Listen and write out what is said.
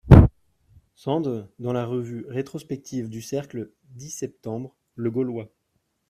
Sand dans la Revue Rétrospective du cercle dix septembre., Le Gaulois.